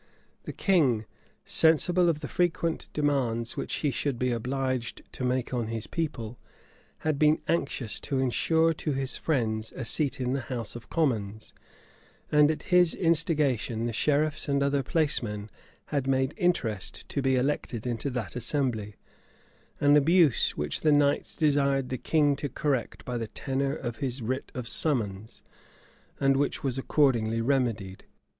The king, sensible of the frequent demands which he should be obliged to make on his people, had been anxious to insure to his friends a seat in the house of commons, and at his instigation the sheriffs and other placemen had made interest to be elected into that assembly; an abuse which the knights desired the king to correct by the tenor of his writ of summons, and which was accordingly remedied.